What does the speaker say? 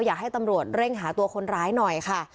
อยากให้ตำรวจเร่งหาตัวคนร้ายหน่อยค่ะ